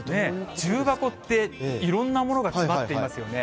重箱って、いろんなものが詰まっていますよね。